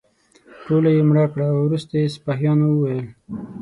ټوله یې مړه کړه او وروسته سپاهیانو وویل.